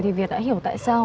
thì việt đã hiểu tại sao